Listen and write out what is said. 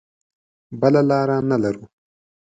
بله لاره نه لرو.